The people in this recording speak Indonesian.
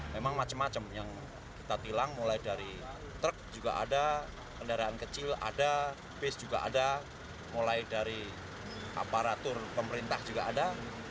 memang macam macam yang kita tilang mulai dari truk juga ada kendaraan kecil ada base juga ada mulai dari aparatur pemerintah juga ada